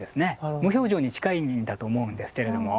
無表情に近いんだと思うんですけれども。